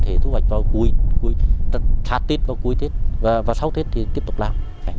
thế thu hoạch vào cuối thả tiết vào cuối tiết và sau tiết thì tiếp tục làm